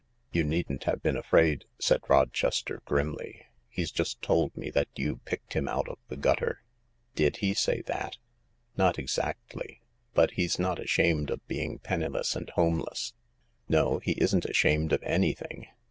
"You needn't have been afraid," said Rochester grimly. " He 's just told me that you picked him out of the gutter. " THE LARK 165 "Diihesay that?" "Not exactly, but he's not ashamed of being penniless and homeless." "No, he isn't ashamed of anything.